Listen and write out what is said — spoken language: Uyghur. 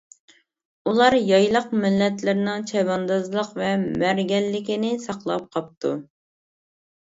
ئۇلار يايلاق مىللەتلىرىنىڭ چەۋەندازلىق ۋە مەرگەنلىكىنى ساقلاپ قاپتۇ.